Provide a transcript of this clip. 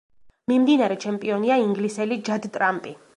მიმდინარე ჩემპიონია ინგლისელი ჯად ტრამპი.